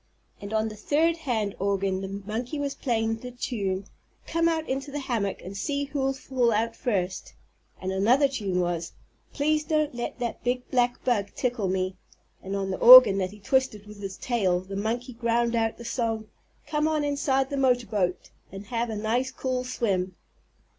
And on the third hand organ the monkey was playing the tune "Come Out Into the Hammock and See Who'll Fall Out First," and another tune was "Please Don't Let that Big Black Bug Tickle Me," and on the organ that he twisted with his tail the monkey ground out the song "Come On Inside the Motorboat and Have a Nice, Cool Swim."